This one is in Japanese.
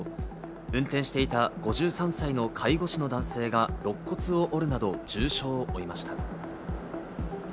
運転していた５３歳の介護士の男性が肋骨を折るなど重傷を負いました。